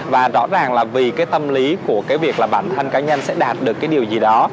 và rõ ràng là vì cái tâm lý của cái việc là bản thân cá nhân sẽ đạt được cái điều gì đó